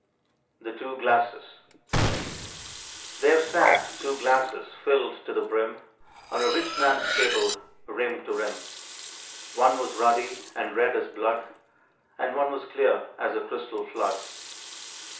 THE TWO GLASSES. There sat two glasses filled to the brim, On a rich man's table, rim to rim. One was ruddy and red as blood, And one was clear as the crystal flood.